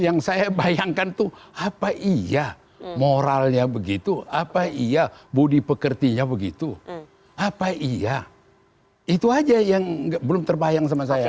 yang saya bayangkan tuh apa iya moralnya begitu apa iya budi pekertinya begitu apa iya itu aja yang belum terbayang sama saya